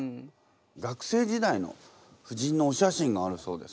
学生時代の夫人のお写真があるそうです。